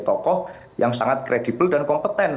tokoh yang sangat kredibel dan kompeten